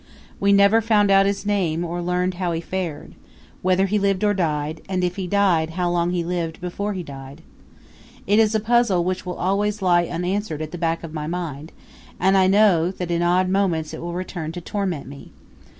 We never found out his name or learned how he fared whether he lived or died, and if he died how long he lived before he died. It is a puzzle which will always lie unanswered at the back of my mind, and I know that in odd moments it will return to torment me.